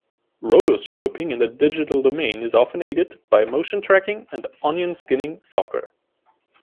Rotoscoping in the digital domain is often aided by motion tracking and onion-skinning software.